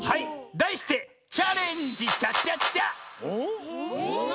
だいして「チャレンジチャチャチャ！」